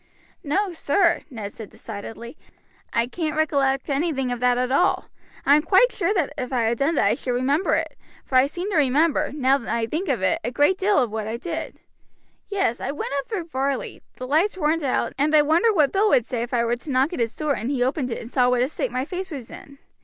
"No, sir," Ned said decidedly; "I can't recollect anything of that at all. I am quite sure if I had done that I should remember it; for I seem to remember, now I think of it, a good deal of what I did. Yes, I went up through Varley; the lights weren't out, and I wondered what Bill would say if I were to knock at his door and he opened it and saw what a state my face was in.